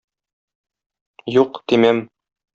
Юк, тимәм.